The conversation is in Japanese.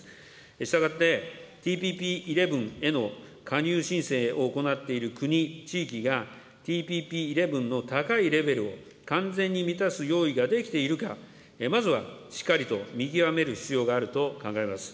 したがって、ＴＰＰ１１への加入申請を行っている国・地域が、ＴＰＰ１１の高いレベルを完全に満たす用意ができているか、まずはしっかりと見極める必要があると考えます。